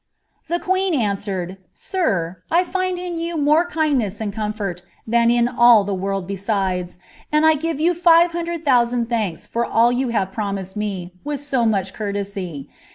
' The queen answered :" Sir, I find in you more kindness and comfort ihnn in all the world besides ; and I give you five hundred thousand Oianks for nil you hare promised me with so much courtesy.